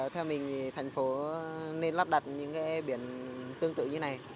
theo mình thì thành phố nên lắp đặt những biển tương tự như này